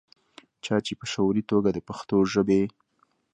چا چې پۀ شعوري توګه دَپښتو ژبې